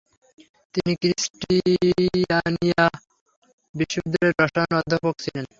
তিনি ক্রিস্টিয়ানিয়া বিশ্ববিদ্যালয়ের রসায়নের অধ্যাপক ছিলেন।